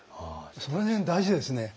その辺大事ですね